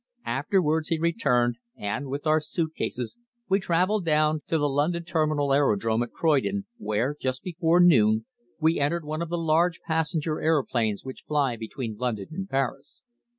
Afterwards he returned, and with our suit cases we travelled down to the London Terminal Aerodrome at Croydon, where, just before noon, we entered one of the large passenger aeroplanes which fly between London and Paris.